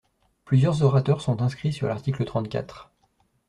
Plusieurs orateurs sont inscrits sur l’article trente-quatre.